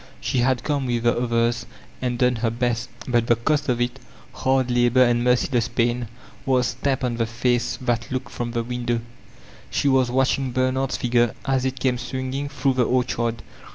She had come with the others and done her best, but the cost of it, hard labor and merciless pain, was stanqwd on the face that looked from the window. She was watching Bernard's figure as it came swinging through tile orchard.